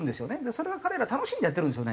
それは彼ら楽しんでやってるんですよね。